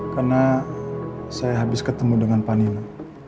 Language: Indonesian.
karena saya habis ketemu dengan pak nino